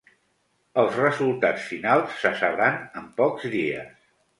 Els resultats finals se sabran en pocs dies.